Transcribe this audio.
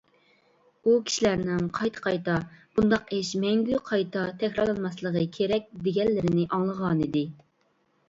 ئۇ كىشىلەرنىڭ قايتا- قايتا بۇنداق ئىش «مەڭگۈ قايتا تەكرارلانماسلىقى كېرەك» دېگەنلىرىنى ئاڭلىغانىدى .